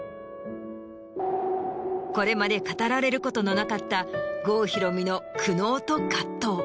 これまで語られることのなかった郷ひろみの。